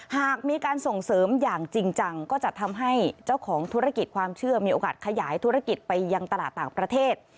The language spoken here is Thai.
หากมีการส่งเสริมอย่างจริงจังก็จะทำให้เจ้าของธุรกิจความเชื่อมีโอกาสขยายธุรกิจไปยังตลาดต่างประเทศ